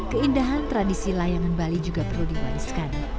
keindahan tradisi layangan bali juga perlu diwariskan